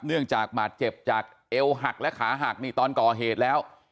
เนื่องจากบาดเจ็บจากเอวหักและขาหักนี่ตอนก่อเหตุแล้ว